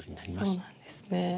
そうなんですね。